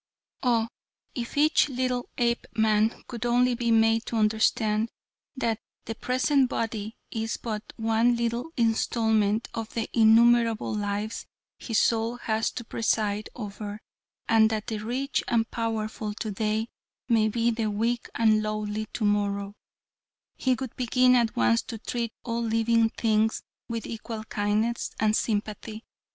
"Oh, if each little Apeman could only be made to understand, that the present body is but one little installment of the innumerable lives his soul has to preside over, and that the rich and powerful today may be the weak and lowly tomorrow, he would begin at once to treat all living things with equal kindness and sympathy.